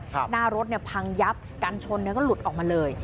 หน้ารถเนี่ยพังยับกันชนก็หลุดออกมาเลย